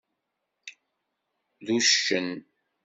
D uccen.